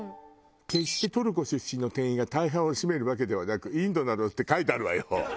「決してトルコ出身の店員が大半を占めるわけではなくインドなど」って書いてあるわよ。